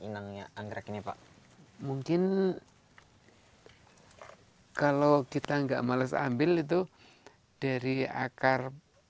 inangnya anggrek ini pak mungkin kalau kita enggak males ambil itu dari akar